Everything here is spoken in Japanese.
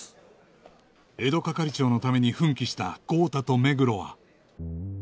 江戸係長のために奮起した豪太と目黒は